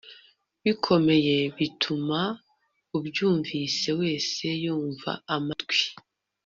bikomeye bituma ubyumvise wese yumva amatwi